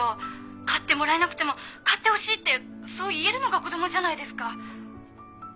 買ってもらえなくても「買ってほしい」ってそう言えるのが子供じゃないですか。